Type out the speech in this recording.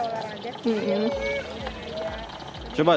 kayak ya olahraga